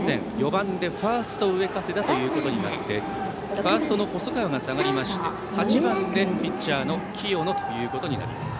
４番ファースト、上加世田となりファーストの細川が下がりまして８番でピッチャーの清野となります。